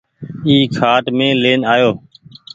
اي کآٽ مين لين آئو۔